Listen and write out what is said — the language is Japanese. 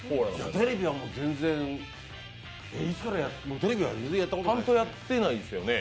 テレビは全然テレビはやってないですね。